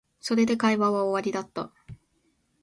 それで会話は終わりだった